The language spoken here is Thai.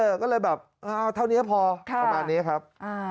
เออก็เลยแบบอ้าวเท่านี้พอค่ะประมาณนี้ครับอ่า